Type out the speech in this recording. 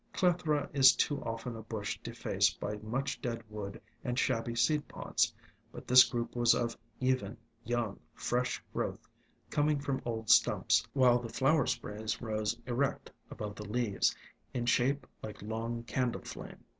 Clethra is too often a bush defaced by much dead wood and shabby seed pods, but this group was of even, young, fresh growth, coming from old stumps, while the flower sprays rose erect above the leaves, in shape like long candle flames.